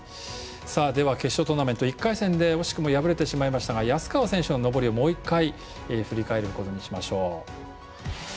では決勝トーナメント１回戦で惜しくも敗れてしまいましたが安川選手の登りをもう１回振り返ることにしましょう。